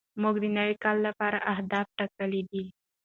موږ د نوي کال لپاره اهداف ټاکلي دي.